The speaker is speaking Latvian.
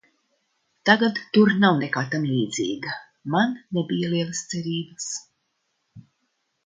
Tagad tur nav nekā tamlīdzīga, man nebija lielas cerības.